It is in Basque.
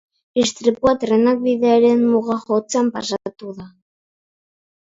Istripua trenak bidearen muga jotzean pasatu da.